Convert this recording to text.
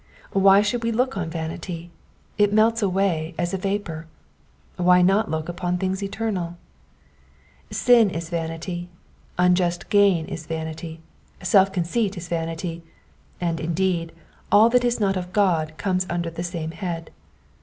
Why should we look on vanity ?— ^it melts away as a vapour. Why not look upon things eternal ? Sin is vanity, unjust gain is vanity, self conceit is vanity, and, indeed, all that is not of God comes under the same head.